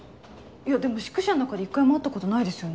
いやでも宿舎の中で一回も会ったことないですよね。